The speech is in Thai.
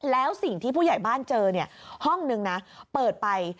แล้วสิ่งที่ผู้ใหญ่บ้านเจอเนี่ยห้องนึงนะเปิดไป